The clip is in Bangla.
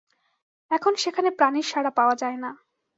এখন সেখানে প্রাণীর সাড়া পাওয়া যায় না।